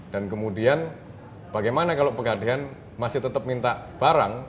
dan kemudian bagaimana kalau pegadaian masih tetap minta barang